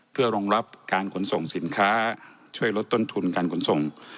เพื่อรองรับการขนส่งสินค้าช่วยลดต้นทุนการขนส่ง